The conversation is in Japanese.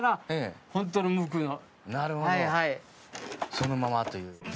そのままという。